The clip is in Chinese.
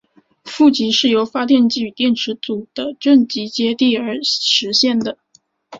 负极是由发电机与电池组的正极接地而实现的。